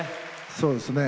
そうですね。